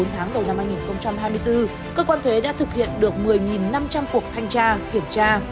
chín tháng đầu năm hai nghìn hai mươi bốn cơ quan thuế đã thực hiện được một mươi năm trăm linh cuộc thanh tra kiểm tra